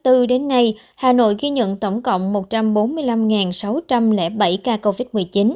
đến nay hà nội ghi nhận tổng cộng một trăm bốn mươi năm sáu trăm linh bảy ca covid một mươi chín